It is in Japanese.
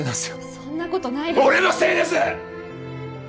そんなことない俺のせいです！